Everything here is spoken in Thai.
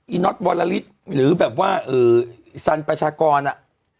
อีน้อบอลาลิชหรือแบบว่าเออสันประชากรอะ